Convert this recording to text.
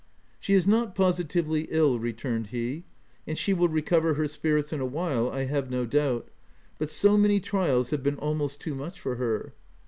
" She is not positively ill," returned he ;" and she will recover her spirits in a while I have no doubt — but so many trials have been almost too much for her.